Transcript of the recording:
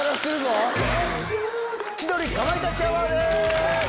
『千鳥かまいたちアワー』です！